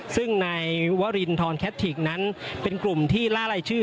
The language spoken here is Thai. ซึ่งนายวะรินทรคาดทิกเป็นกลุ่มที่ล่าลายชื่อ